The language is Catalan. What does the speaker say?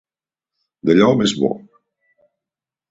D'allò més bo.